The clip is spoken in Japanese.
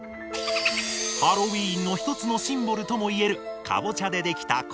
ハロウィーンの一つのシンボルとも言えるカボチャでできたこのランタン。